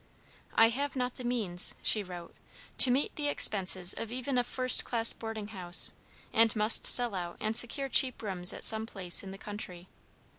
"I have not the means," she wrote, "to meet the expenses of even a first class boarding house, and must sell out and secure cheap rooms at some place in the country.